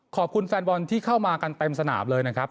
ขอบคุณแฟนบอลที่เข้ามากันเต็มสนามเลยนะครับ